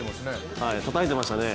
たたいてましたね。